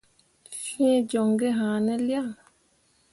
̃Fẽe joŋ gi haane lian ?